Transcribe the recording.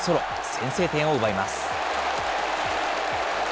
先制点を奪います。